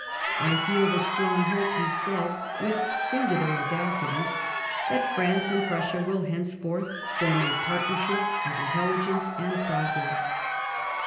" I feel the strong hope," he said with singular audacity, " that France and Prussia will henceforth form a partnership of intelligence and progress."